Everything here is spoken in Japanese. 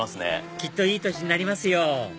きっといい年になりますよ